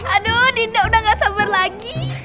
aduh dinda sudah tidak sabar lagi